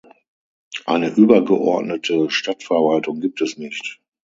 Eine übergeordnete Stadtverwaltung gibt es nicht.